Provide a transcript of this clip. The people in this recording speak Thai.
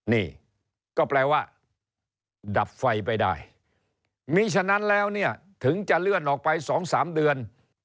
นี่ก็แปลว่าดับไฟไปได้มีฉะนั้นแล้วเนี่ยถึงจะเลื่อนออกไป๒๓เดือน